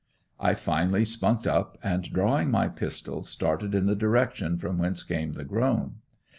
I finally spunked up and drawing my pistol started in the direction from whence came the groan.